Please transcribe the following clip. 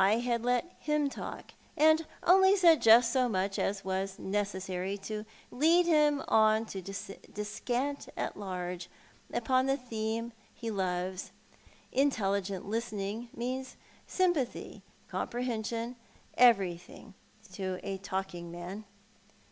I had let him talk, and only said just so much as was necessary to lead him on to descant at large upon the theme he loves. Intelligent listening means sympathy, comprehension, everything, to a talking man.